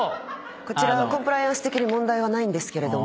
こちらコンプライアンス的に問題はないんですけれども。